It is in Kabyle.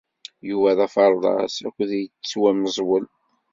Yuba d aferḍas akked i ttwameẓwel.